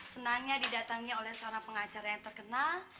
senangnya didatangi oleh seorang pengacara yang terkenal